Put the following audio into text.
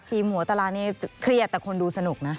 หัวตลาดนี้เครียดแต่คนดูสนุกนะ